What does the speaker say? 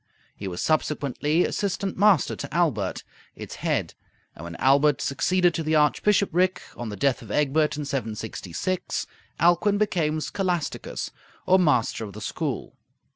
He was subsequently assistant master to Aelbert, its head; and when Aelbert succeeded to the archbishopric, on the death of Egbert in 766, Alcuin became scholasticus or master of the school.